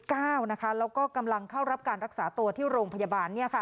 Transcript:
แล้วก็กำลังเข้ารับการรักษาตัวที่โรงพยาบาล